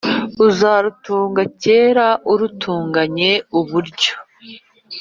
uzarutunga kera urutunganye uburyo